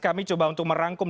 kami coba untuk merangkum